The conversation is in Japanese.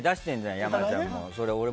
山ちゃんも。